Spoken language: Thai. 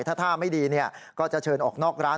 ถ้าท่าไม่ดีก็จะเชิญออกนอกร้าน